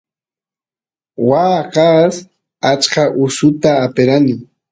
waa kaas achka usata aperani